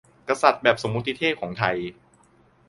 กษัตริย์แบบสมมติเทพของไทย